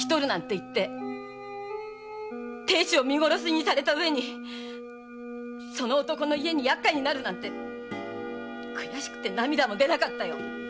亭主を見殺しにされた上にその男の家に厄介になるなんて悔しくって涙も出なかったよ！